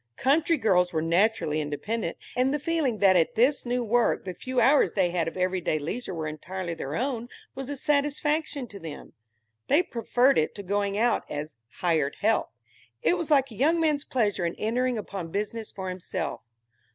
Country girls were naturally independent, and the feeling that at this new work the few hours they had of every day leisure were entirely their own was a satisfaction to them. They preferred it to going out as "hired help." It was like a young man's pleasure in entering upon business for himself.